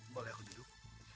boleh aku duduk